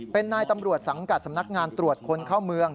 เป็นนายตำรวจสังกัดสำนักงานตรวจคนเข้าเมือง